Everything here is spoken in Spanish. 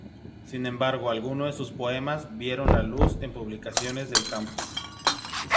Sin embargo, algunos de sus poemas vieron la luz en publicaciones del campus.